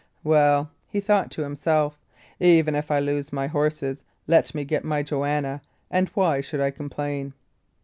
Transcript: "Well," thought he to himself, "even if I lose my horses, let me get my Joanna, and why should I complain?"